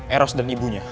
eros dan ibunya